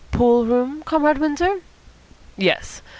"Pool room, Comrade Windsor?" "Yes.